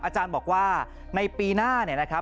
อาจารย์บอกว่าในปีหน้า